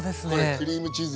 クリームチーズ